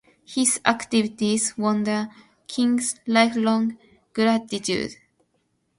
His activities won the king's lifelong gratitude.